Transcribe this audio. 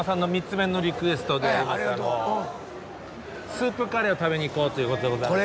スープカレーを食べに行こうということでございまして。